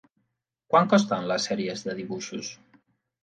Quant costen les sèries de dibuixos?